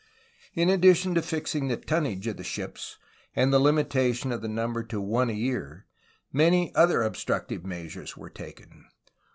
In addition to fixing the tonnage of the ships and the limitation of the number to one a year, many other obstructive meas ures were taken.